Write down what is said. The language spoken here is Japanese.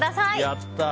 やったー！